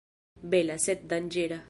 Bela, sed danĝera.